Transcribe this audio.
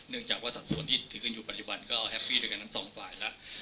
จากว่าสัดส่วนที่ถือกันอยู่ปัจจุบันก็แฮปปี้ด้วยกันทั้งสองฝ่ายแล้ว